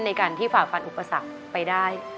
ในการที่ฝ่าฟันอุปสรรคไปได้